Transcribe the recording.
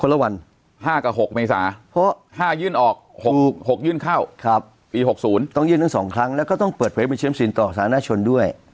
ต้องปฏิบัติเป็นเชิมสินต่อสาธารณชนด้วย